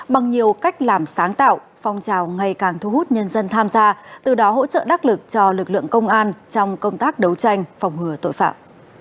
bằng nhiều cách làm sáng tạo phong trào ngày càng thu hút nhân dân tham gia từ đó hỗ trợ đắc lực cho lực lượng công an trong công tác đấu tranh phòng ngừa tội phạm